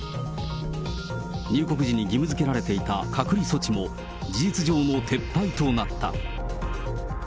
入国時に義務づけられていた隔離措置も、事実上の撤廃となった。